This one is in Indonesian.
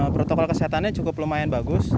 protokol kesehatannya cukup lumayan bagus